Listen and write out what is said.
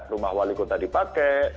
rumah wali kota dipakai